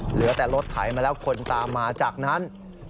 เหลือแต่รถไถมาแล้วคนตามมาจากนั้น